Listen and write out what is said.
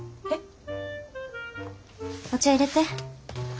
えっ？